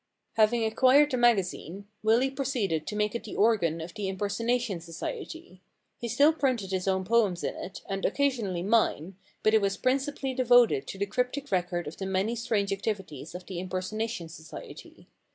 * Having acquired the magazine, Willy proceeded to make it the organ of the Imper sonation Society. He still printed his own poems in it, and occasionally mine, but it was principally devoted to the cryptic record of the many strange activities of the Impersona tion Society.